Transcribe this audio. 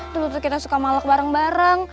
dulu kita suka malak bareng bareng